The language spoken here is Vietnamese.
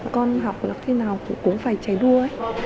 con học là khi nào cũng phải cháy đua